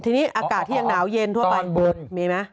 ทีนี้อากาศที่ยังหนาวเย็นทั่วไปบนมีไหม